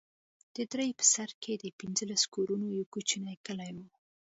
د درې په سر کښې د پنځلسو كورونو يو كوچنى كلى و.